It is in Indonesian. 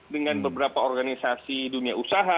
dengan beberapa organisasi dunia usaha